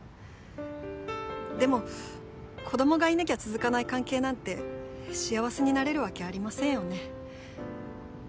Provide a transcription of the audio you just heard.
でも子供がいなきゃ続かない関係なんて幸せになれるわけありませんよね。